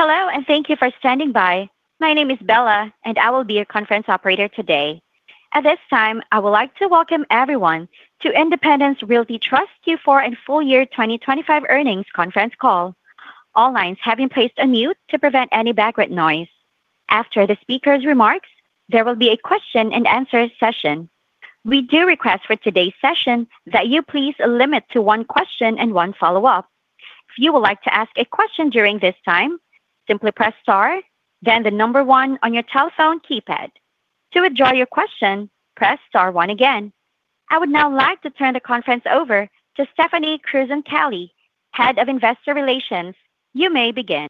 Hello, and thank you for standing by. My name is Bella, and I will be your conference operator today. At this time, I would like to welcome everyone to Independence Realty Trust Q4 and full year 2025 earnings conference call. All lines have been placed on mute to prevent any background noise. After the speaker's remarks, there will be a question-and-answer session. We do request for today's session that you please limit to one question and one follow-up. If you would like to ask a question during this time, simply press star, then the number one on your telephone keypad. To withdraw your question, press star one again. I would now like to turn the conference over to Stephanie Krewson-Kelly, Head of Investor Relations. You may begin.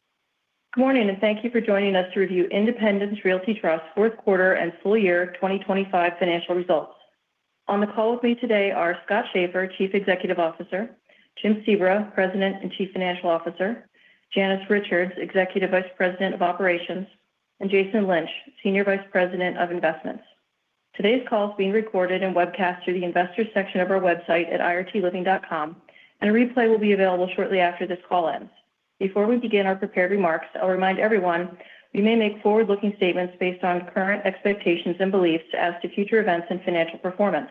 Good morning, and thank you for joining us to review Independence Realty Trust fourth quarter and full year 2025 financial results. On the call with me today are Scott Schaeffer, Chief Executive Officer; Jim Sebra, President and Chief Financial Officer; Janice Richards, Executive Vice President of Operations; and Jason Lynch, Senior Vice President of Investments. Today's call is being recorded and webcast through the Investors section of our website at irtliving.com, and a replay will be available shortly after this call ends. Before we begin our prepared remarks, I'll remind everyone, we may make forward-looking statements based on current expectations and beliefs as to future events and financial performance.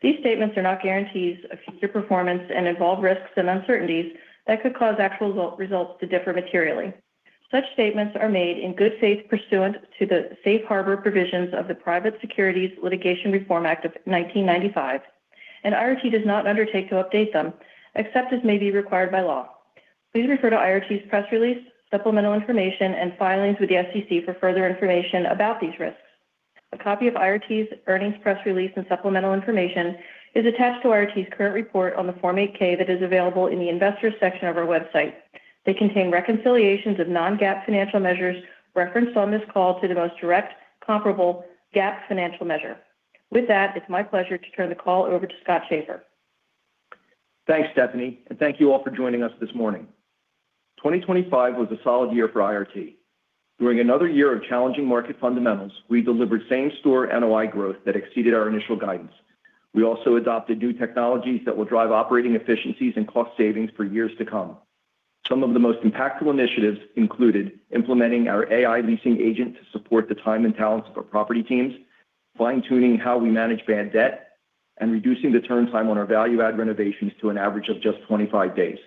These statements are not guarantees of future performance and involve risks and uncertainties that could cause actual results to differ materially. Such statements are made in good faith pursuant to the Safe Harbor provisions of the Private Securities Litigation Reform Act of 1995, and IRT does not undertake to update them, except as may be required by law. Please refer to IRT's press release, supplemental information, and filings with the SEC for further information about these risks. A copy of IRT's earnings press release and supplemental information is attached to IRT's current report on the Form 8-K that is available in the Investors section of our website. They contain reconciliations of non-GAAP financial measures referenced on this call to the most direct, comparable GAAP financial measure. With that, it's my pleasure to turn the call over to Scott Schaeffer. Thanks, Stephanie, and thank you all for joining us this morning. 2025 was a solid year for IRT. During another year of challenging market fundamentals, we delivered same-store NOI growth that exceeded our initial guidance. We also adopted new technologies that will drive operating efficiencies and cost savings for years to come. Some of the most impactful initiatives included implementing our AI leasing agent to support the time and talents of our property teams, fine-tuning how we manage bad debt, and reducing the turn time on our value-add renovations to an average of just 25 days.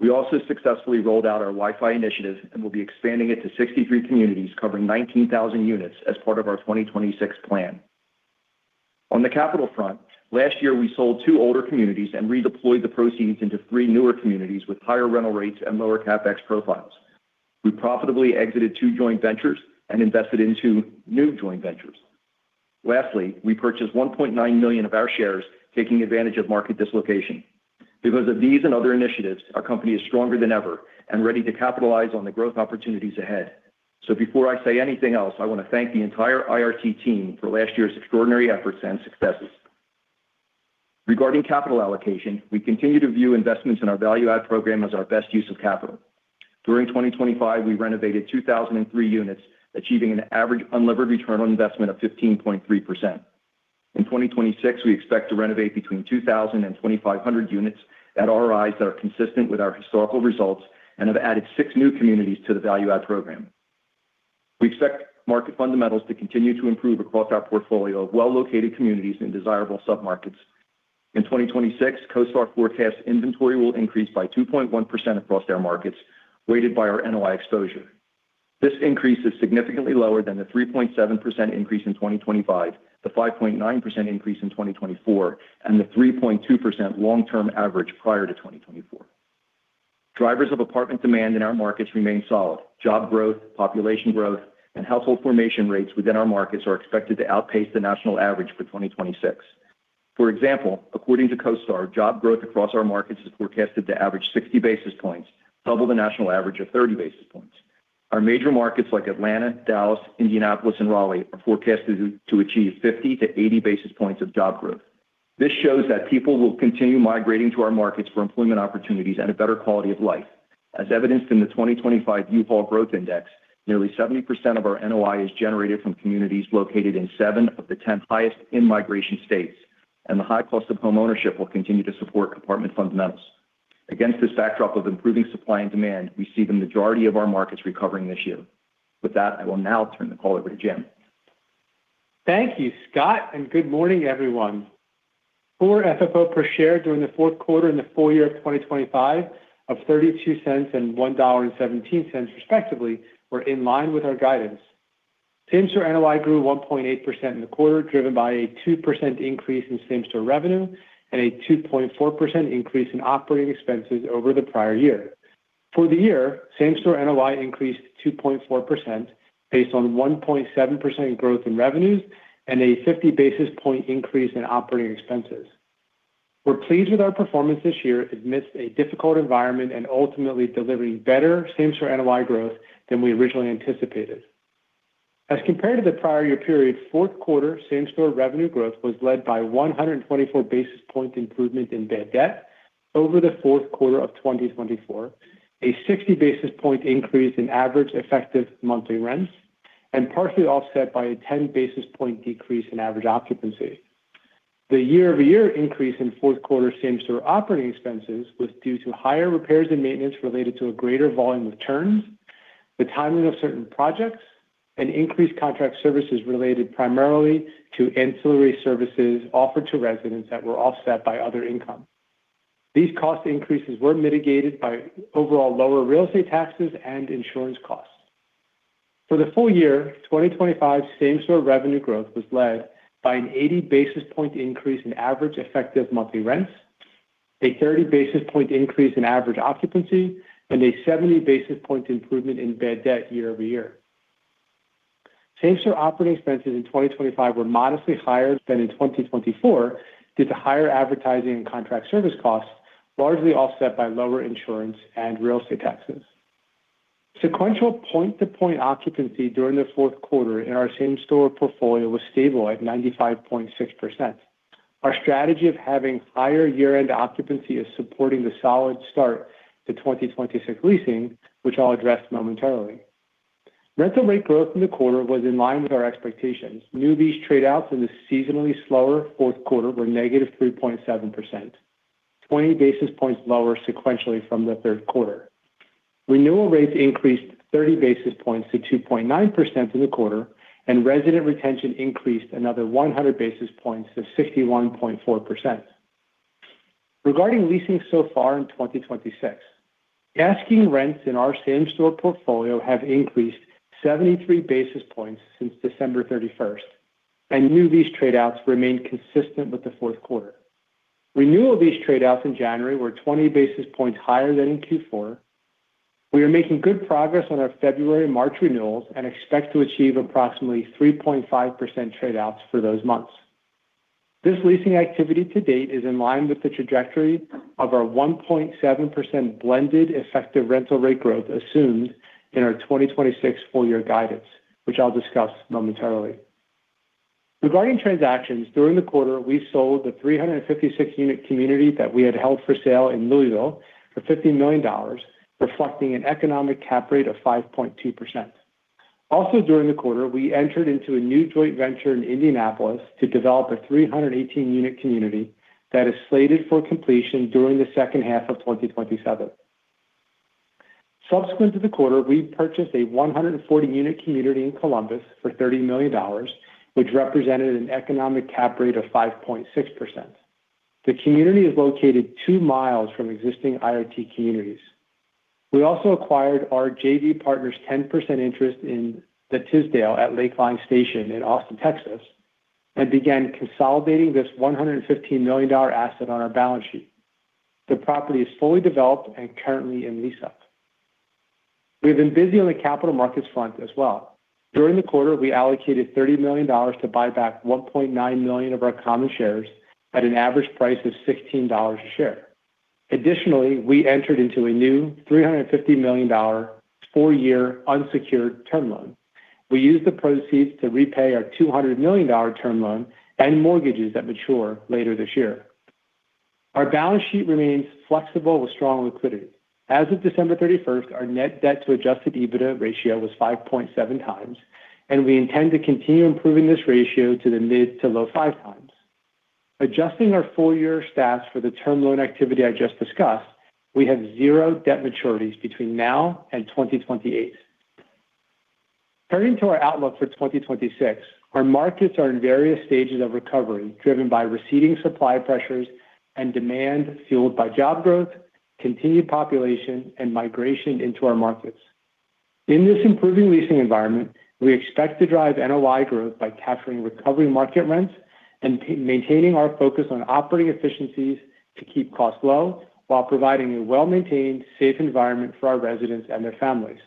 We also successfully rolled out our Wi-Fi initiative and will be expanding it to 63 communities, covering 19,000 units as part of our 2026 plan. On the capital front, last year, we sold two older communities and redeployed the proceeds into three newer communities with higher rental rates and lower CapEx profiles. We profitably exited two joint ventures and invested in two new joint ventures. Lastly, we purchased 1.9 million of our shares, taking advantage of market dislocation. Because of these and other initiatives, our company is stronger than ever and ready to capitalize on the growth opportunities ahead. So before I say anything else, I want to thank the entire IRT team for last year's extraordinary efforts and successes. Regarding capital allocation, we continue to view investments in our value-add program as our best use of capital. During 2025, we renovated 2,003 units, achieving an average unlevered return on investment of 15.3%. In 2026, we expect to renovate between 2,000 and 2,500 units at rates that are consistent with our historical results and have added six new communities to the value-add program. We expect market fundamentals to continue to improve across our portfolio of well-located communities in desirable submarkets. In 2026, CoStar forecast inventory will increase by 2.1% across our markets, weighted by our NOI exposure. This increase is significantly lower than the 3.7% increase in 2025, the 5.9% increase in 2024, and the 3.2% long-term average prior to 2024. Drivers of apartment demand in our markets remain solid. Job growth, population growth, and household formation rates within our markets are expected to outpace the national average for 2026. For example, according to CoStar, job growth across our markets is forecasted to average 60 basis points, double the national average of 30 basis points. Our major markets like Atlanta, Dallas, Indianapolis, and Raleigh are forecasted to achieve 50-80 basis points of job growth. This shows that people will continue migrating to our markets for employment opportunities and a better quality of life. As evidenced in the 2025 U-Haul Growth Index, nearly 70% of our NOI is generated from communities located in seven of the 10 highest in-migration states, and the high cost of homeownership will continue to support apartment fundamentals. Against this backdrop of improving supply and demand, we see the majority of our markets recovering this year. With that, I will now turn the call over to Jim. Thank you, Scott, and good morning, everyone. Core FFO per share during the fourth quarter and the full year of 2025 of $0.32 and $1.17, respectively, were in line with our guidance. Same-store NOI grew 1.8% in the quarter, driven by a 2% increase in same-store revenue and a 2.4% increase in operating expenses over the prior year. For the year, same-store NOI increased 2.4% based on 1.7% growth in revenues and a 50 basis point increase in operating expenses. We're pleased with our performance this year amidst a difficult environment and ultimately delivering better same-store NOI growth than we originally anticipated. As compared to the prior year period, fourth quarter same-store revenue growth was led by 124 basis point improvement in bad debt over the fourth quarter of 2024, a 60 basis point increase in average effective monthly rents, and partially offset by a 10 basis point decrease in average occupancy. The year-over-year increase in fourth quarter same-store operating expenses was due to higher repairs and maintenance related to a greater volume of turns, the timing of certain projects, and increased contract services related primarily to ancillary services offered to residents that were offset by other income. These cost increases were mitigated by overall lower real estate taxes and insurance costs. For the full year, 2025 same-store revenue growth was led by an 80 basis point increase in average effective monthly rents, a 30 basis point increase in average occupancy, and a 70 basis point improvement in bad debt year-over-year. Same-store operating expenses in 2025 were modestly higher than in 2024 due to higher advertising and contract service costs, largely offset by lower insurance and real estate taxes. Sequential point-to-point occupancy during the fourth quarter in our same-store portfolio was stable at 95.6%. Our strategy of having higher year-end occupancy is supporting the solid start to 2026 leasing, which I'll address momentarily. Rental rate growth in the quarter was in line with our expectations. New lease trade outs in the seasonally slower fourth quarter were -3.7%, 20 basis points lower sequentially from the third quarter. Renewal rates increased 30 basis points to 2.9% in the quarter, and resident retention increased another 100 basis points to 61.4%. Regarding leasing so far in 2026, asking rents in our same-store portfolio have increased 73 basis points since December 31st, and new lease trade outs remain consistent with the fourth quarter. Renewal lease trade outs in January were 20 basis points higher than in Q4. We are making good progress on our February, March renewals and expect to achieve approximately 3.5% trade outs for those months. This leasing activity to date is in line with the trajectory of our 1.7% blended effective rental rate growth assumed in our 2026 full year guidance, which I'll discuss momentarily. Regarding transactions, during the quarter, we sold the 356-unit community that we had held for sale in Louisville for $50 million, reflecting an economic cap rate of 5.2%. Also, during the quarter, we entered into a new joint venture in Indianapolis to develop a 318-unit community that is slated for completion during the second half of 2027. Subsequent to the quarter, we purchased a 140-unit community in Columbus for $30 million, which represented an economic cap rate of 5.6%. The community is located 2 miles from existing IRT communities. We also acquired our JV partner's 10% interest in the Tisdale at Lakeline Station in Austin, Texas, and began consolidating this $115 million asset on our balance sheet. The property is fully developed and currently in lease-up. We've been busy on the capital markets front as well. During the quarter, we allocated $30 million to buy back 1.9 million of our common shares at an average price of $16 a share. Additionally, we entered into a new $350 million 4-year unsecured term loan. We used the proceeds to repay our $200 million term loan and mortgages that mature later this year. Our balance sheet remains flexible with strong liquidity. As of December 31st, our Net Debt to Adjusted EBITDA ratio was 5.7x, and we intend to continue improving this ratio to the mid- to low-5x. Adjusting our full year stats for the term loan activity I just discussed, we have 0 debt maturities between now and 2028. Turning to our outlook for 2026, our markets are in various stages of recovery, driven by receding supply pressures and demand fueled by job growth, continued population, and migration into our markets. In this improving leasing environment, we expect to drive NOI growth by capturing recovery market rents and maintaining our focus on operating efficiencies to keep costs low while providing a well-maintained, safe environment for our residents and their families.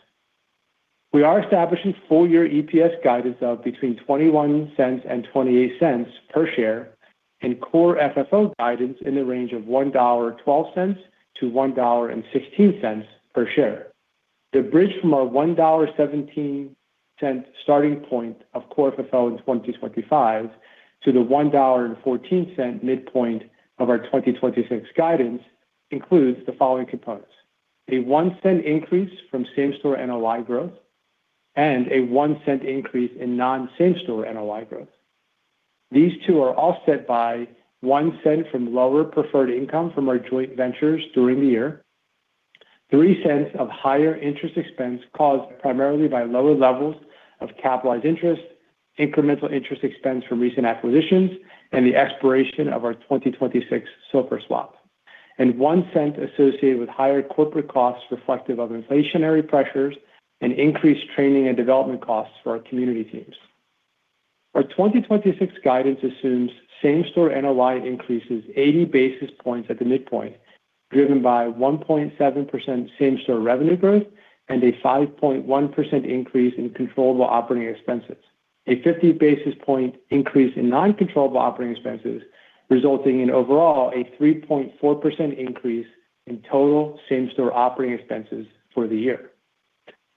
We are establishing full year EPS guidance of between $0.21 and $0.28 per share, and core FFO guidance in the range of $1.12-$1.16 per share. The bridge from our $1.17 starting point of core FFO in 2025 to the $1.14 midpoint of our 2026 guidance includes the following components: a $0.01 increase from same-store NOI growth and a $0.01 increase in non-same-store NOI growth. These two are offset by 1 cent from lower preferred income from our joint ventures during the year, 3 cents of higher interest expense, caused primarily by lower levels of capitalized interest, incremental interest expense from recent acquisitions, and the expiration of our 2026 SOFR swap, and 1 cent associated with higher corporate costs reflective of inflationary pressures and increased training and development costs for our community teams. Our 2026 guidance assumes same-store NOI increases 80 basis points at the midpoint, driven by 1.7% same-store revenue growth and a 5.1% increase in controllable operating expenses. A 50 basis point increase in non-controllable operating expenses, resulting in overall a 3.4% increase in total same-store operating expenses for the year.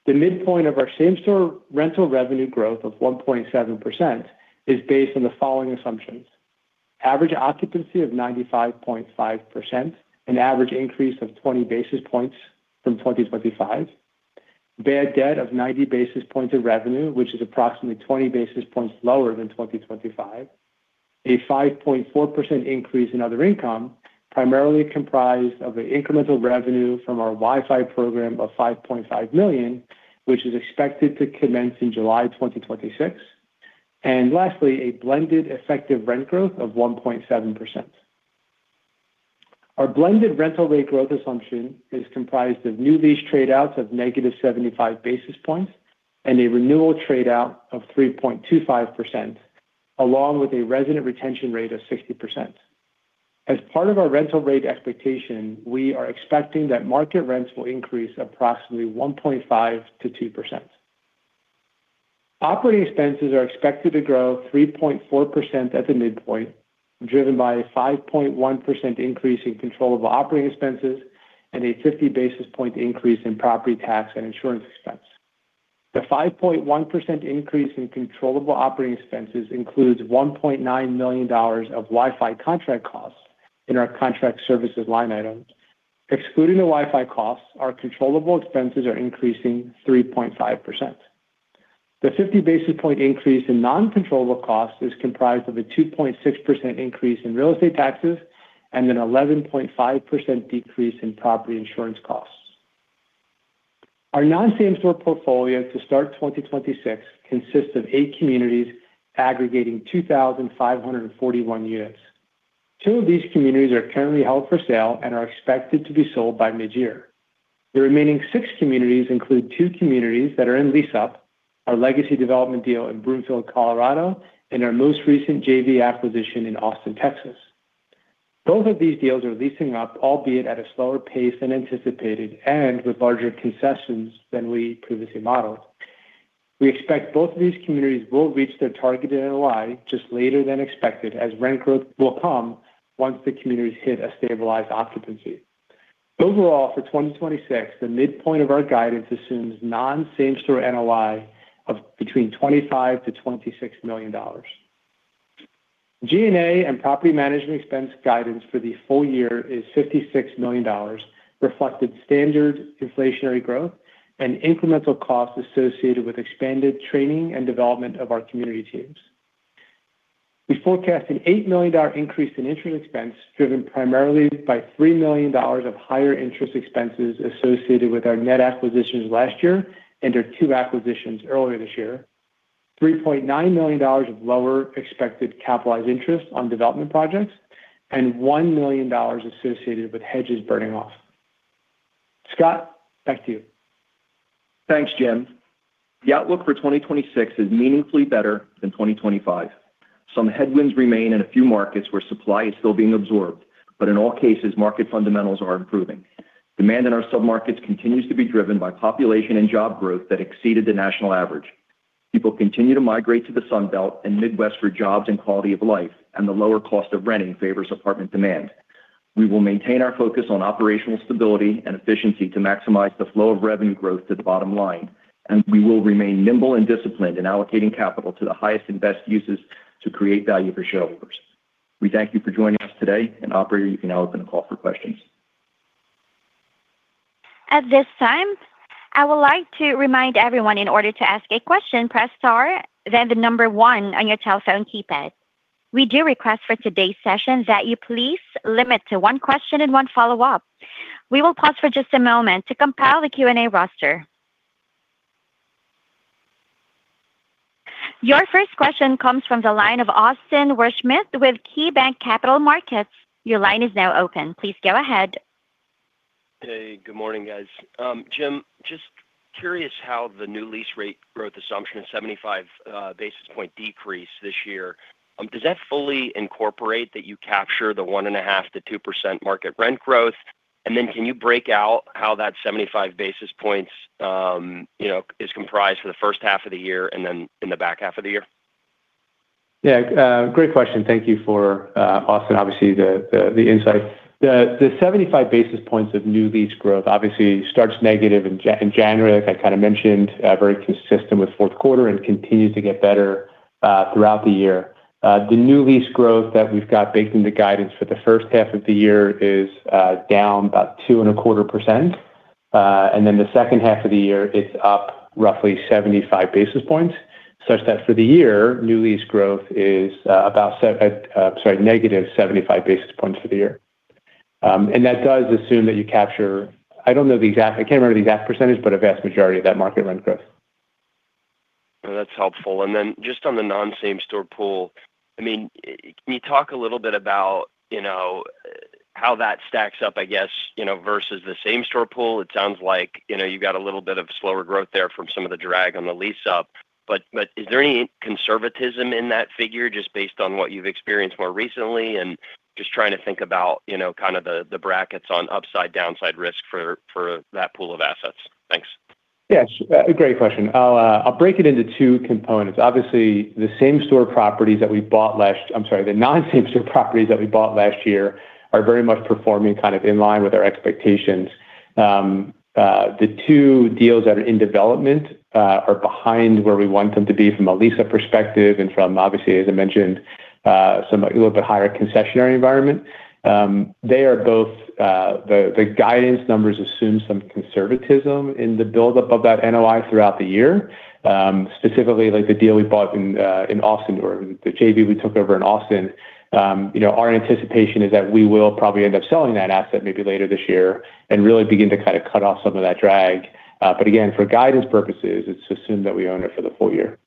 The midpoint of our same-store rental revenue growth of 1.7% is based on the following assumptions: average occupancy of 95.5%, an average increase of 20 basis points from 2025. Bad debt of 90 basis points of revenue, which is approximately 20 basis points lower than 2025. A 5.4% increase in other income, primarily comprised of the incremental revenue from our Wi-Fi program of $5.5 million, which is expected to commence in July 2026. And lastly, a blended effective rent growth of 1.7%. Our blended rental rate growth assumption is comprised of new lease trade outs of -75 basis points and a renewal trade out of 3.25%, along with a resident retention rate of 60%. As part of our rental rate expectation, we are expecting that market rents will increase approximately 1.5%-2%. Operating expenses are expected to grow 3.4% at the midpoint, driven by a 5.1% increase in controllable operating expenses and a 50 basis point increase in property tax and insurance expense. The 5.1% increase in controllable operating expenses includes $1.9 million of Wi-Fi contract costs in our contract services line items. Excluding the Wi-Fi costs, our controllable expenses are increasing 3.5%. The 50 basis point increase in non-controllable costs is comprised of a 2.6% increase in real estate taxes and an 11.5% decrease in property insurance costs. Our non-same-store portfolio to start 2026 consists of 8 communities aggregating 2,541 units. Two of these communities are currently held for sale and are expected to be sold by mid-year. The remaining six communities include two communities that are in lease-up, our legacy development deal in Broomfield, Colorado, and our most recent JV acquisition in Austin, Texas. Both of these deals are leasing up, albeit at a slower pace than anticipated and with larger concessions than we previously modeled. We expect both of these communities will reach their targeted NOI just later than expected, as rent growth will come once the communities hit a stabilized occupancy. Overall, for 2026, the midpoint of our guidance assumes non-same-store NOI of between $25 million-$26 million. G&A and property management expense guidance for the full year is $56 million, reflected standard inflationary growth and incremental costs associated with expanded training and development of our community teams. We forecast an $8 million increase in interest expense, driven primarily by $3 million of higher interest expenses associated with our net acquisitions last year and our two acquisitions earlier this year. $3.9 million of lower expected capitalized interest on development projects, and $1 million associated with hedges burning off. Scott, back to you. Thanks, Jim. The outlook for 2026 is meaningfully better than 2025. Some headwinds remain in a few markets where supply is still being absorbed, but in all cases, market fundamentals are improving. Demand in our submarkets continues to be driven by population and job growth that exceeded the national average. People continue to migrate to the Sun Belt and Midwest for jobs and quality of life, and the lower cost of renting favors apartment demand. We will maintain our focus on operational stability and efficiency to maximize the flow of revenue growth to the bottom line, and we will remain nimble and disciplined in allocating capital to the highest and best uses to create value for shareholders. We thank you for joining us today, and operator, you can now open the call for questions. At this time, I would like to remind everyone in order to ask a question, press Star, then the number one on your telephone keypad. We do request for today's session that you please limit to one question and one follow-up. We will pause for just a moment to compile the Q&A roster. Your first question comes from the line of Austin Wurschmidt with KeyBanc Capital Markets. Your line is now open. Please go ahead. Hey, good morning, guys. Jim, just curious how the new lease rate growth assumption, 75 basis point decrease this year, does that fully incorporate that you capture the 1.5%-2% market rent growth? And then can you break out how that 75 basis points, you know, is comprised for the first half of the year and then in the back half of the year? Yeah, great question. Thank you for, Austin, obviously, the insight. The seventy-five basis points of new lease growth obviously starts negative in January, like I kind of mentioned, very consistent with fourth quarter and continues to get better throughout the year. The new lease growth that we've got baked into guidance for the first half of the year is down about 2.25%, and then the second half of the year is up roughly 75 basis points, such that for the year, new lease growth is about seven, sorry, negative 75 basis points for the year. And that does assume that you capture. I don't know the exact-- I can't remember the exact percentage, but a vast majority of that market rent growth. That's helpful. And then just on the non-same-store pool, I mean, can you talk a little bit about, you know, how that stacks up, I guess, you know, versus the same-store pool? It sounds like, you know, you got a little bit of slower growth there from some of the drag on the lease-up, but is there any conservatism in that figure, just based on what you've experienced more recently? And just trying to think about, you know, kind of the brackets on upside/downside risk for that pool of assets. Thanks. Yes, great question. I'll, I'll break it into two components. Obviously, the same-store properties that we bought last—I'm sorry, the non-same-store properties that we bought last year are very much performing kind of in line with our expectations. The two deals that are in development are behind where we want them to be from a lease-up perspective and from, obviously, as I mentioned, some a little bit higher concessionary environment. They are both, the guidance numbers assume some conservatism in the buildup of that NOI throughout the year. Specifically, like the deal we bought in in Austin or the JV we took over in Austin. You know, our anticipation is that we will probably end up selling that asset maybe later this year and really begin to kind of cut off some of that drag. But again, for guidance purposes, it's assumed that we own it for the full year.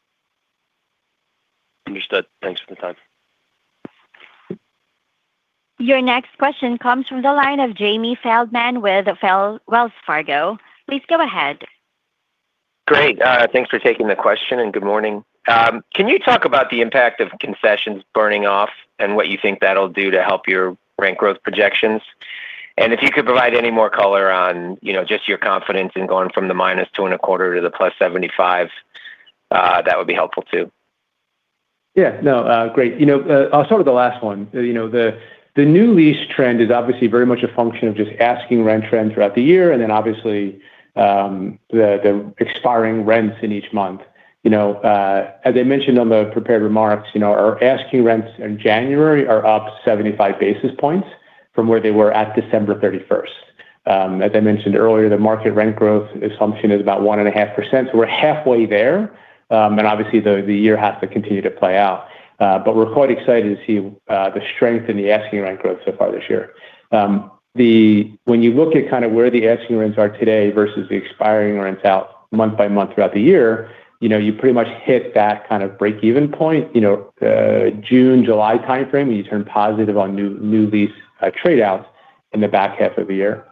Understood. Thanks for the time. Your next question comes from the line of Jamie Feldman with Wells Fargo. Please go ahead. Great. Thanks for taking the question, and good morning. Can you talk about the impact of concessions burning off and what you think that'll do to help your rent growth projections? And if you could provide any more color on, you know, just your confidence in going from the -2.25 to the +75, that would be helpful too? Yeah. No, great. You know, I'll start with the last one. You know, the new lease trend is obviously very much a function of just asking rent trends throughout the year, and then obviously, the expiring rents in each month. You know, as I mentioned on the prepared remarks, you know, our asking rents in January are up 75 basis points from where they were at December thirty-first. As I mentioned earlier, the market rent growth assumption is about 1.5%, so we're halfway there. And obviously, the year has to continue to play out. But we're quite excited to see the strength in the asking rent growth so far this year. The... When you look at kind of where the asking rents are today versus the expiring rents out month by month throughout the year, you know, you pretty much hit that kind of break-even point, you know, June, July time frame, and you turn positive on new lease trade outs in the back half of the year.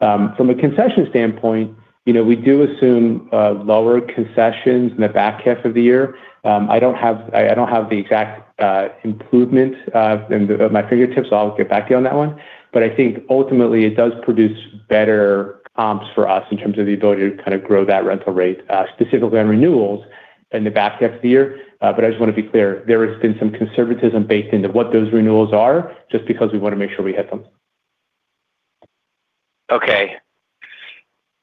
From a concession standpoint, you know, we do assume lower concessions in the back half of the year. I don't have the exact improvement at my fingertips, so I'll get back to you on that one. But I think ultimately, it does produce better comps for us in terms of the ability to kind of grow that rental rate, specifically on renewals in the back half of the year. But I just want to be clear, there has been some conservatism baked into what those renewals are, just because we want to make sure we hit them. Okay.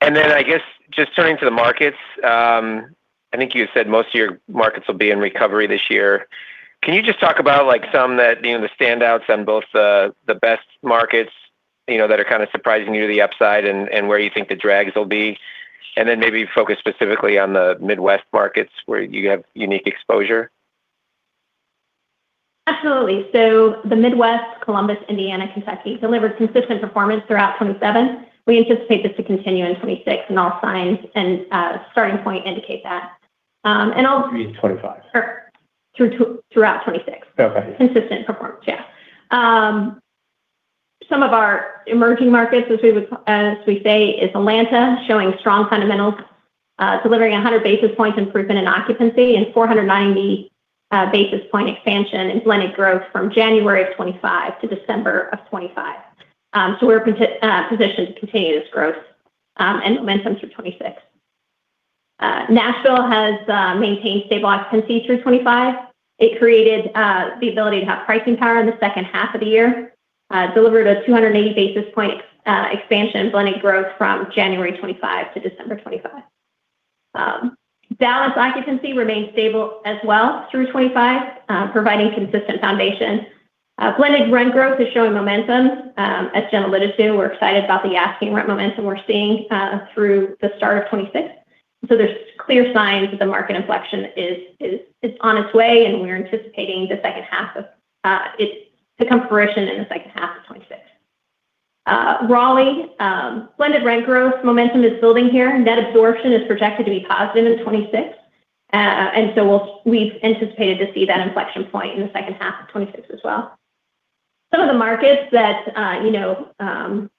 And then I guess just turning to the markets, I think you said most of your markets will be in recovery this year. Can you just talk about, like, some that, you know, the standouts on both the, the best markets, you know, that are kind of surprising you to the upside and, and where you think the drags will be? And then maybe focus specifically on the Midwest markets where you have unique exposure? Absolutely. So the Midwest, Columbus, Indiana, Kentucky, delivered consistent performance throughout 2027. We anticipate this to continue in 2026, and all signs and starting point indicate that. And I'll- You mean 25. Sure. Throughout 2026. Okay. Consistent performance. Yeah. Some of our emerging markets, as we would, as we say, is Atlanta, showing strong fundamentals, delivering 100 basis points improvement in occupancy and 490 basis point expansion in blended growth from January 2025 to December 2025. So we're positioned to continue this growth and momentum through 2026. Nashville has maintained stable occupancy through 2025. It created the ability to have pricing power in the second half of the year, delivered a 280 basis point expansion in blended growth from January 2025 to December 2025. Dallas occupancy remains stable as well through 2025, providing consistent foundation. Blended rent growth is showing momentum. As Jenna alluded to, we're excited about the asking rent momentum we're seeing through the start of 2026. So there's clear signs that the market inflection is, it's on its way, and we're anticipating the second half of it to come to fruition in the second half of 2026. Raleigh blended rent growth momentum is building here. Net absorption is projected to be positive in 2026. And so we've anticipated to see that inflection point in the second half of 2026 as well. Some of the markets that you know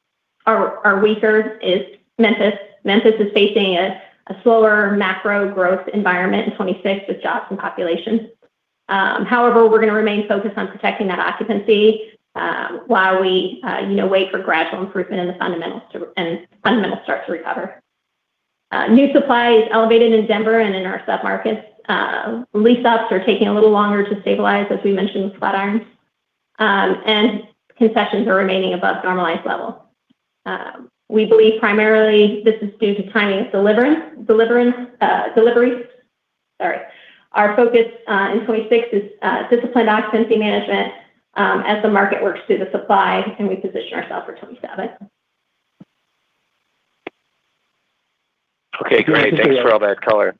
are weaker is Memphis. Memphis is facing a slower macro growth environment in 2026 with jobs and population. However, we're gonna remain focused on protecting that occupancy while we you know wait for gradual improvement in the fundamentals to, and fundamentals start to recover. New supply is elevated in Denver and in our submarkets. Lease-ups are taking a little longer to stabilize, as we mentioned, with Flatirons. Concessions are remaining above normalized level. We believe primarily this is due to timing of delivery. Sorry. Our focus in 2026 is disciplined occupancy management, as the market works through the supply, and we position ourselves for 2027. Okay, great. Thanks for all that color.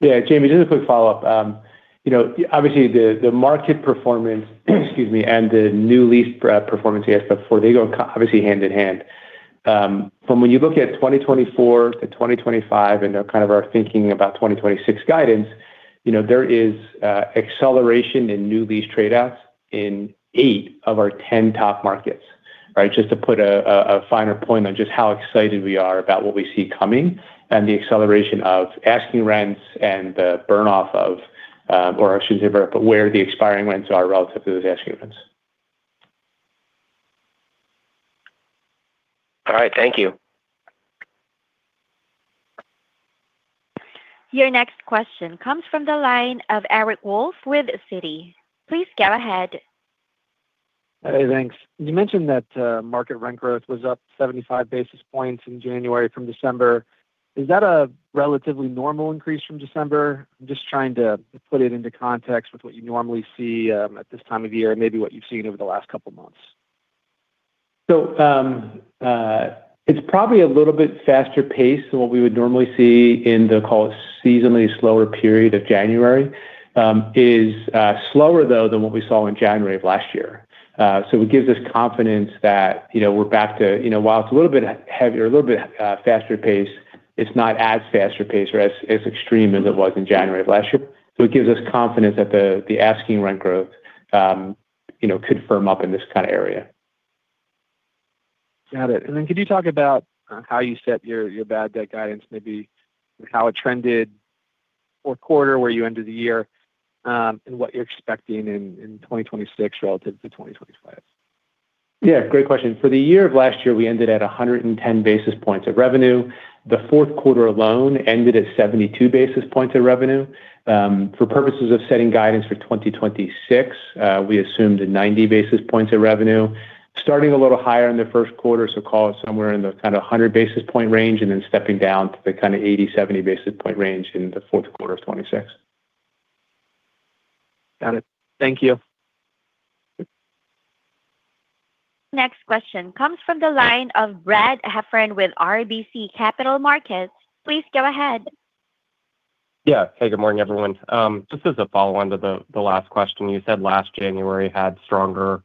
Yeah, Jamie, just a quick follow-up. You know, obviously, the market performance, excuse me, and the new lease performance you asked before, they go obviously hand in hand. But when you look at 2024 to 2025 and kind of our thinking about 2026 guidance, you know, there is acceleration in new lease trade outs in eight of our 10 top markets. Right? Just to put a finer point on just how excited we are about what we see coming and the acceleration of asking rents and the burn off of, or I should say, where the expiring rents are relative to those asking rents. All right. Thank you. Your next question comes from the line of Eric Wolfe with Citi. Please go ahead. Hey, thanks. You mentioned that market rent growth was up 75 basis points in January from December. Is that a relatively normal increase from December? Just trying to put it into context with what you normally see at this time of year, and maybe what you've seen over the last couple of months. It's probably a little bit faster pace than what we would normally see in the, call it, seasonally slower period of January. It is slower, though, than what we saw in January of last year. So it gives us confidence that, you know, we're back to, you know, while it's a little bit heavier, a little bit faster paced, it's not as faster paced or as extreme as it was in January of last year. So it gives us confidence that the asking rent growth, you know, could firm up in this kind of area. Got it. And then could you talk about how you set your bad debt guidance, maybe how it trended fourth quarter, where you ended the year, and what you're expecting in 2026 relative to 2025? Yeah, great question. For the year of last year, we ended at 110 basis points of revenue. The fourth quarter alone ended at 72 basis points of revenue. For purposes of setting guidance for 2026, we assumed 90 basis points of revenue, starting a little higher in the first quarter, so call it somewhere in the kind of 100 basis point range, and then stepping down to the kind of 80, 70 basis point range in the fourth quarter of 2026. Got it. Thank you. Next question comes from the line of Brad Heffern with RBC Capital Markets. Please go ahead. Yeah. Hey, good morning, everyone. Just as a follow-on to the last question, you said last January had stronger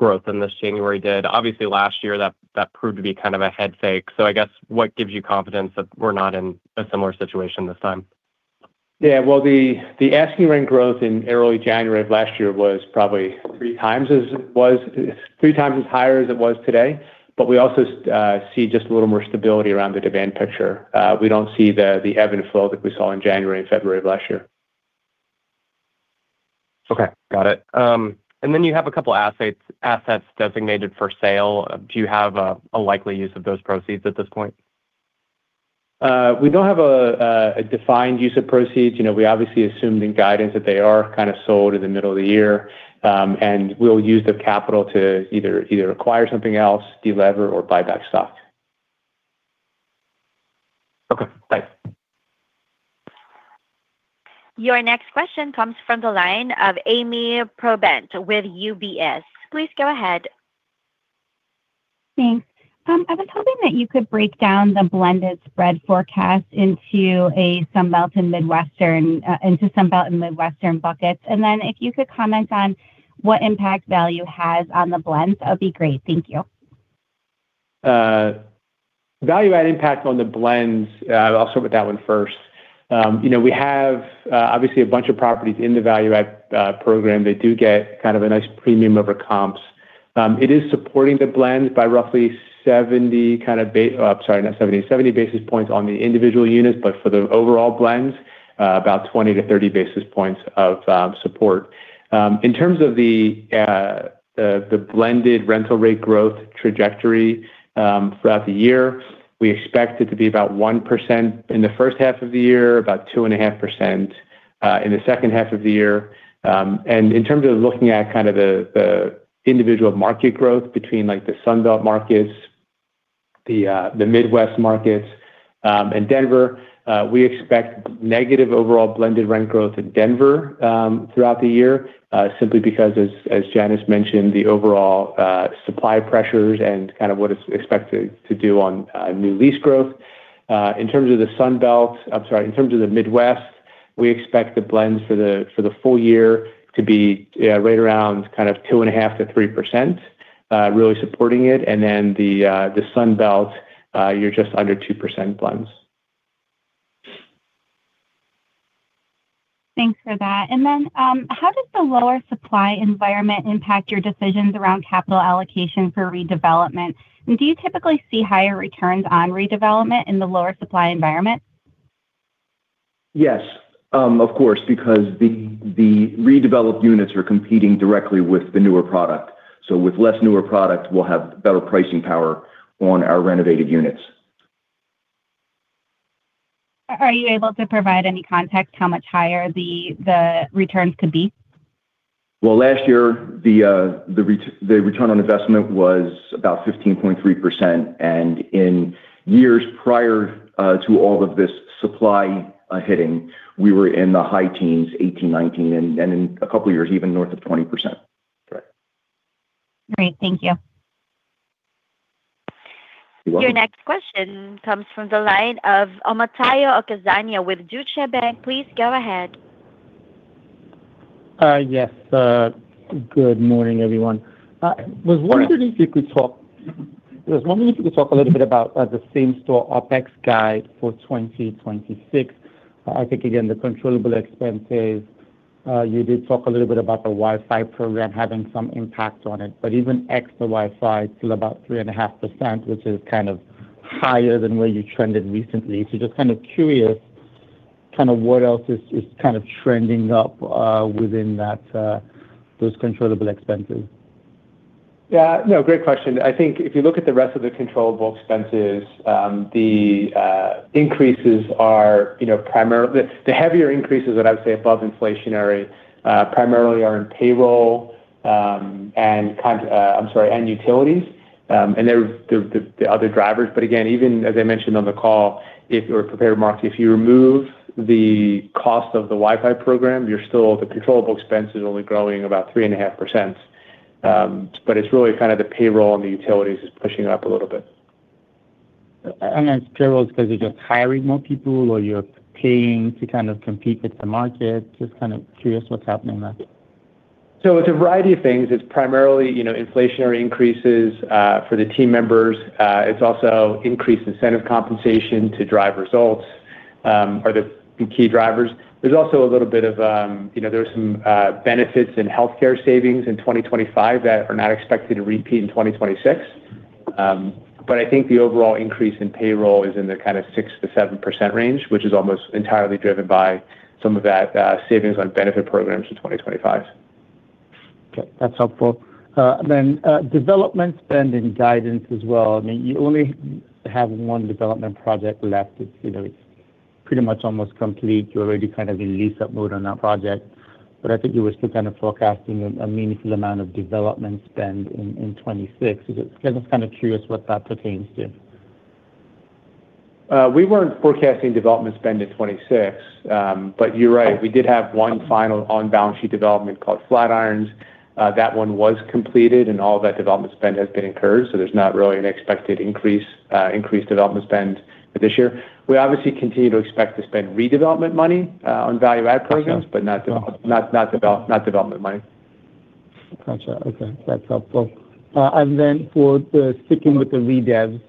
growth than this January did. Obviously, last year, that proved to be kind of a head fake. So I guess, what gives you confidence that we're not in a similar situation this time? Yeah, well, the asking rent growth in early January of last year was probably three times as higher as it was today, but we also see just a little more stability around the demand picture. We don't see the ebb and flow that we saw in January and February of last year. Okay, got it. And then you have a couple assets designated for sale. Do you have a likely use of those proceeds at this point? We don't have a defined use of proceeds. You know, we obviously assumed in guidance that they are kind of sold in the middle of the year, and we'll use the capital to either acquire something else, delever, or buy back stock. Okay, thanks. Your next question comes from the line of Ami Probandt with UBS. Please go ahead. Thanks. I was hoping that you could break down the blended spread forecast into Sunbelt and Midwestern buckets. And then if you could comment on what impact value has on the blends, that would be great. Thank you. Value-add impact on the blends, I'll start with that one first. You know, we have obviously a bunch of properties in the value-add program. They do get kind of a nice premium over comps. It is supporting the blends by roughly 70, sorry, not 70, 70 basis points on the individual units, but for the overall blends, about 20-30 basis points of support. In terms of the blended rental rate growth trajectory, throughout the year, we expect it to be about 1% in the first half of the year, about 2.5% in the second half of the year. And in terms of looking at kind of the, the individual market growth between, like, the Sun Belt markets, the, the Midwest markets, and Denver, we expect negative overall blended rent growth in Denver, throughout the year, simply because as, as Janice mentioned, the overall, supply pressures and kind of what it's expected to do on, new lease growth. In terms of the Sun Belt... I'm sorry, in terms of the Midwest, we expect the blends for the, for the full year to be, right around kind of 2.5%-3%, really supporting it. And then the, the Sun Belt, you're just under 2% blends. Thanks for that. And then, how does the lower supply environment impact your decisions around capital allocation for redevelopment? And do you typically see higher returns on redevelopment in the lower supply environment? Yes, of course, because the redeveloped units are competing directly with the newer product. So with less newer product, we'll have better pricing power on our renovated units. Are you able to provide any context how much higher the returns could be? Well, last year, the return on investment was about 15.3%, and in years prior, to all of this supply hitting, we were in the high teens, 18, 19, and in a couple of years, even north of 20%. Correct. Great. Thank you. You're welcome. Your next question comes from the line of Omotayo Okusanya with Deutsche Bank. Please go ahead. Yes, good morning, everyone. Good morning. I was wondering if you could talk a little bit about the same-store OpEx guide for 2026. I think, again, the controllable expenses, you did talk a little bit about the Wi-Fi program having some impact on it, but even ex the Wi-Fi, it's still about 3.5%, which is kind of higher than where you trended recently. So just kind of curious, kind of what else is kind of trending up within that, those controllable expenses? Yeah, no, great question. I think if you look at the rest of the controllable expenses, the increases are, you know, primarily the heavier increases that I would say above inflationary, primarily are in payroll and utilities. And they're the other drivers. But again, even as I mentioned on the call, in the prepared remarks, if you remove the cost of the Wi-Fi program, you're still. The controllable expense is only growing about 3.5%. But it's really kind of the payroll and the utilities is pushing it up a little bit. And then payroll, is 'cause you're just hiring more people, or you're paying to kind of compete with the market? Just kind of curious what's happening there. So it's a variety of things. It's primarily, you know, inflationary increases, for the team members. It's also increased incentive compensation to drive results, are the, the key drivers. There's also a little bit of, you know, there were some, benefits in healthcare savings in 2025 that are not expected to repeat in 2026. But I think the overall increase in payroll is in the kind of 6%-7% range, which is almost entirely driven by some of that, savings on benefit programs in 2025. Okay, that's helpful. Then, development spending guidance as well. I mean, you only have one development project left. It's, you know, it's pretty much almost complete. You're already kind of in lease-up mode on that project, but I think you were still kind of forecasting a meaningful amount of development spend in 2026. Just kind of curious what that pertains to. We weren't forecasting development spend in 2026. But you're right, we did have one final on-balance sheet development called Flatirons. That one was completed, and all of that development spend has been incurred, so there's not really an expected increase, increased development spend for this year. We obviously continue to expect to spend redevelopment money on value add programs- Okay. but not development money. Gotcha. Okay, that's helpful. And then, sticking with the redev,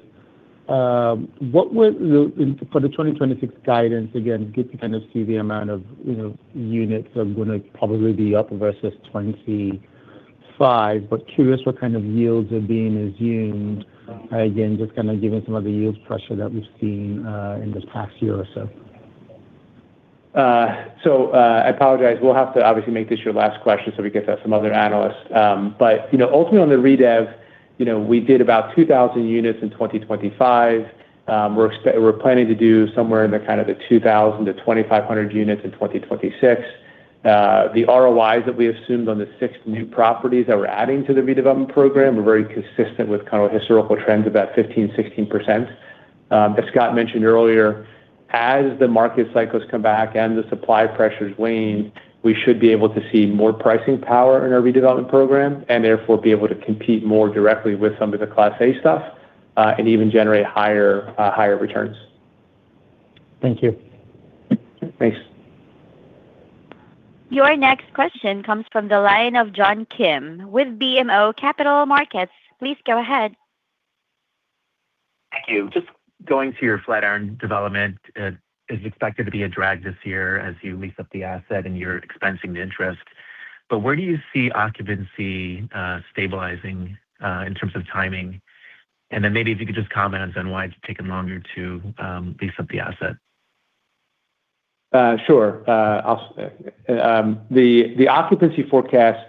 what were the... For the 2026 guidance, again, good to kind of see the amount of, you know, units that are gonna probably be up versus 2025. But curious what kind of yields are being assumed. Again, just kind of given some of the yield pressure that we've seen in this past year or so. So, I apologize. We'll have to obviously make this your last question so we can get some other analysts. But, you know, ultimately on the redev, you know, we did about 2,000 units in 2025. We're planning to do somewhere in the kind of the 2,000-2,500 units in 2026. The ROIs that we assumed on the six new properties that we're adding to the redevelopment program are very consistent with kind of historical trends, about 15%-16%. As Scott mentioned earlier, as the market cycles come back and the supply pressures wane, we should be able to see more pricing power in our redevelopment program, and therefore, be able to compete more directly with some of the Class A stuff, and even generate higher returns. Thank you. Thanks. Your next question comes from the line of John Kim with BMO Capital Markets. Please go ahead. Thank you. Just going to your Flatirons development, is expected to be a drag this year as you lease up the asset and you're expensing the interest. But where do you see occupancy stabilizing in terms of timing? And then maybe if you could just comment on why it's taken longer to lease up the asset. Sure. I'll the occupancy forecast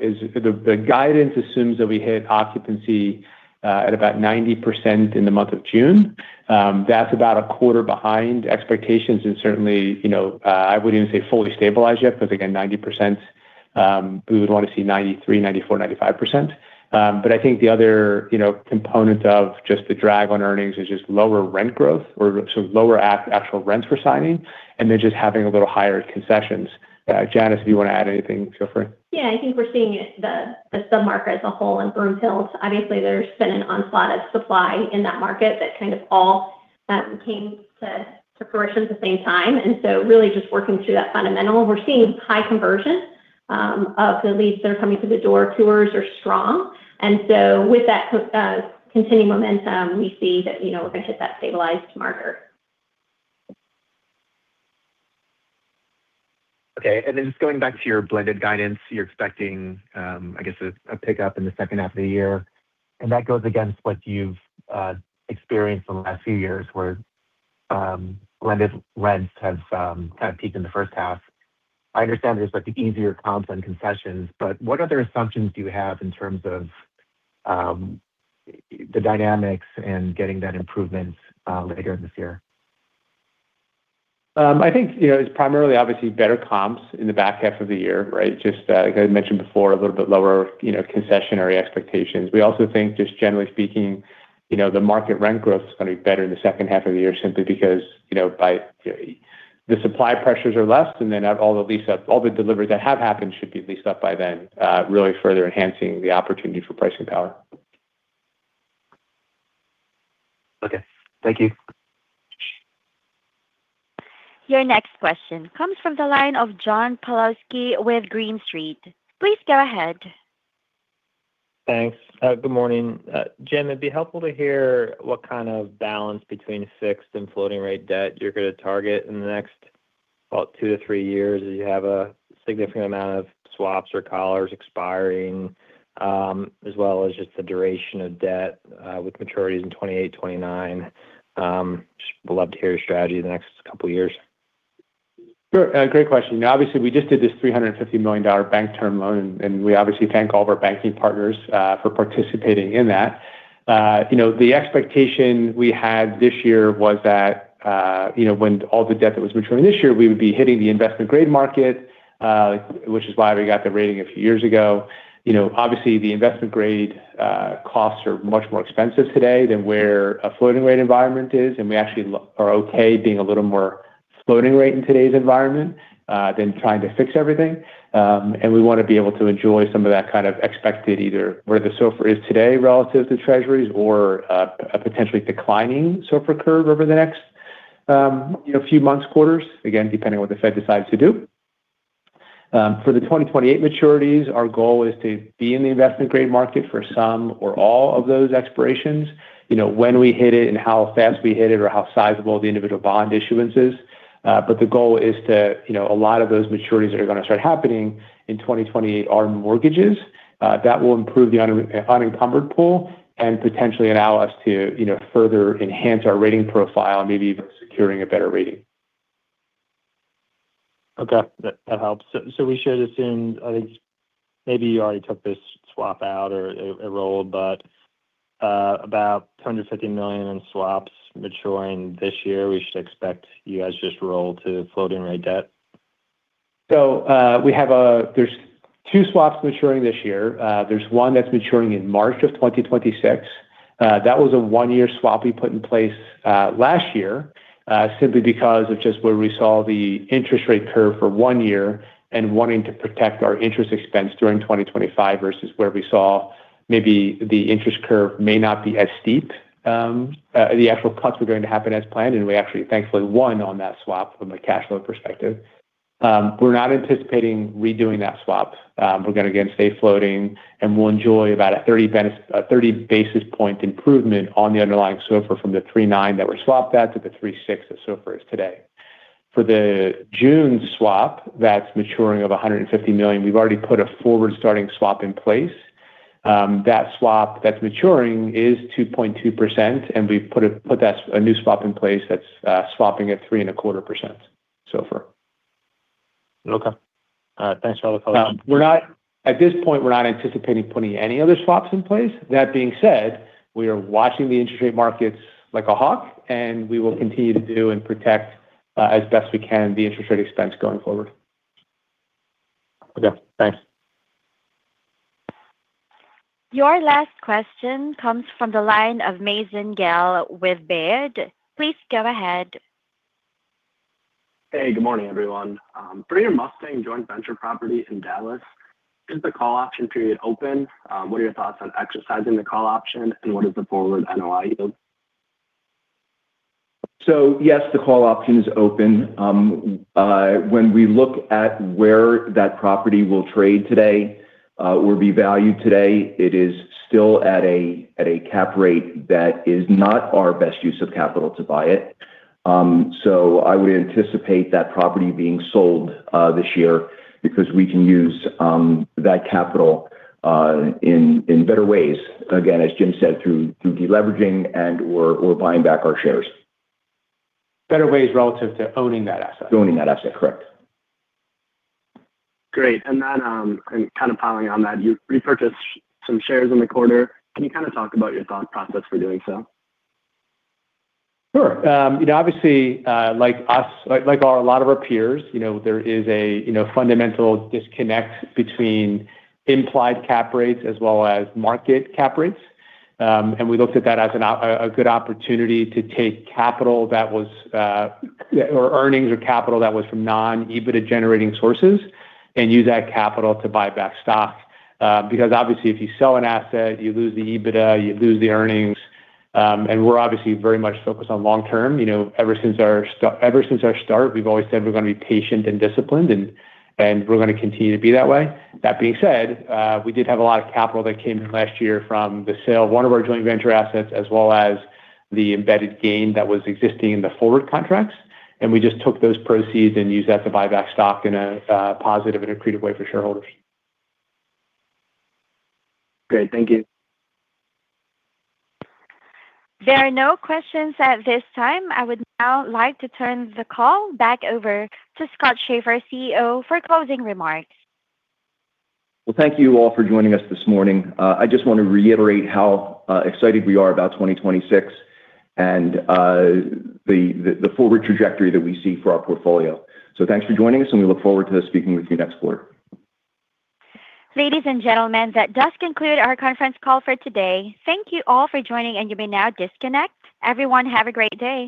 is. The guidance assumes that we hit occupancy at about 90% in the month of June. That's about a quarter behind expectations, and certainly, you know, I wouldn't even say fully stabilized yet, because again, 90%, we would want to see 93%, 94%, 95%. But I think the other, you know, component of just the drag on earnings is just lower rent growth or so lower actual rents we're signing, and then just having a little higher concessions. Janice, do you want to add anything? Feel free. Yeah, I think we're seeing it, the sub-market as a whole in Broomfield. Obviously, there's been an onslaught of supply in that market that kind of all came to fruition at the same time. And so really just working through that fundamental. We're seeing high conversion of the leads that are coming through the door. Tours are strong, and so with that continuing momentum, we see that, you know, we're gonna hit that stabilized marker. Okay, and then just going back to your blended guidance, you're expecting a pickup in the second half of the year, and that goes against what you've experienced in the last few years, where blended rents have kind of peaked in the first half. I understand this, like the easier comps and concessions, but what other assumptions do you have in terms of the dynamics and getting that improvement later this year? I think, you know, it's primarily obviously better comps in the back half of the year, right? Just, like I mentioned before, a little bit lower, you know, concessionary expectations. We also think, just generally speaking, you know, the market rent growth is gonna be better in the second half of the year, simply because, you know, by the supply pressures are less, and then at all the lease up, all the deliveries that have happened should be leased up by then, really further enhancing the opportunity for pricing power. Okay, thank you. Your next question comes from the line of John Pawlowski with Green Street. Please go ahead. Thanks. Good morning. Jim, it'd be helpful to hear what kind of balance between fixed and floating rate debt you're gonna target in the next, well, 2-3 years, as you have a significant amount of swaps or collars expiring, as well as just the duration of debt, with maturities in 2028, 2029. Just would love to hear your strategy the next couple of years. Sure, great question. Obviously, we just did this $350 million bank term loan, and we obviously thank all of our banking partners for participating in that. You know, the expectation we had this year was that, you know, when all the debt that was maturing this year, we would be hitting the investment grade market, which is why we got the rating a few years ago. You know, obviously, the investment grade costs are much more expensive today than where a floating rate environment is, and we actually are okay being a little more floating rate in today's environment than trying to fix everything. And we want to be able to enjoy some of that kind of expected, either where the SOFR is today relative to Treasuries or, a potentially declining SOFR curve over the next, you know, few months, quarters, again, depending on what the Fed decides to do. For the 2028 maturities, our goal is to be in the investment grade market for some or all of those expirations. You know, when we hit it and how fast we hit it or how sizable the individual bond issuance is. But the goal is to, you know, a lot of those maturities that are going to start happening in 2028 are mortgages. That will improve the unencumbered pool and potentially allow us to, you know, further enhance our rating profile and maybe even securing a better rating. Okay, that helps. So we should assume, I think maybe you already took this swap out or it rolled, but about $250 million in swaps maturing this year, we should expect you guys just roll to floating rate debt? So, we have. There's two swaps maturing this year. There's one that's maturing in March of 2026. That was a 1-year swap we put in place, last year, simply because of just where we saw the interest rate curve for one year and wanting to protect our interest expense during 2025 versus where we saw maybe the interest curve may not be as steep, the actual cuts were going to happen as planned, and we actually thankfully won on that swap from a cash flow perspective. We're not anticipating redoing that swap. We're gonna, again, stay floating, and we'll enjoy about a 30 basis point improvement on the underlying SOFR from the 3.9 that were swapped at to the 3.6 that SOFR is today. For the June swap, that's maturing of $150 million, we've already put a forward starting swap in place. That swap that's maturing is 2.2%, and we've put a new swap in place that's swapping at 3.25% SOFR. Okay. Thanks for all the- We're not at this point anticipating putting any other swaps in place. That being said, we are watching the interest rate markets like a hawk, and we will continue to do and protect, as best we can, the interest rate expense going forward. Okay, thanks. Your last question comes from the line of Mazen Gale with Baird. Please go ahead. Hey, good morning, everyone. For your Mustang joint venture property in Dallas, is the call option period open? What are your thoughts on exercising the call option, and what is the forward NOI yield? So yes, the call option is open. When we look at where that property will trade today, or be valued today, it is still at a cap rate that is not our best use of capital to buy it. So I would anticipate that property being sold this year because we can use that capital in better ways. Again, as Jim said, through deleveraging and/or buying back our shares. Better ways relative to owning that asset. Owning that asset, correct. Great. And then, and kind of piling on that, you repurchased some shares in the quarter. Can you kind of talk about your thought process for doing so? Sure. You know, obviously, like us, like, like a lot of our peers, you know, there is a, you know, fundamental disconnect between implied cap rates as well as market cap rates. We looked at that as a good opportunity to take capital that was, or earnings or capital that was from non-EBITDA-generating sources and use that capital to buy back stock. Because obviously, if you sell an asset, you lose the EBITDA, you lose the earnings. We're obviously very much focused on long term. You know, ever since our start, we've always said we're gonna be patient and disciplined, and, and we're gonna continue to be that way. That being said, we did have a lot of capital that came in last year from the sale of one of our joint venture assets, as well as the embedded gain that was existing in the forward contracts. We just took those proceeds and used that to buy back stock in a positive and accretive way for shareholders. Great. Thank you. There are no questions at this time. I would now like to turn the call back over to Scott Schaeffer, CEO, for closing remarks. Well, thank you all for joining us this morning. I just want to reiterate how excited we are about 2026 and the forward trajectory that we see for our portfolio. So thanks for joining us, and we look forward to speaking with you next quarter. Ladies and gentlemen, that does conclude our conference call for today. Thank you all for joining, and you may now disconnect. Everyone, have a great day.